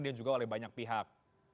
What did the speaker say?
dan juga oleh banyak pihak